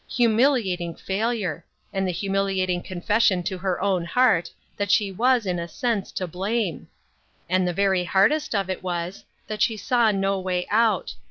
Humiliating failure ! and the humiliating confes sion to her own heart that she was, in a sense, to blame. And the very hardest of it was, that she saw no way out.